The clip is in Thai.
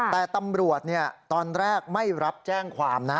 แต่ตำรวจตอนแรกไม่รับแจ้งความนะ